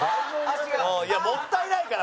もったいないから！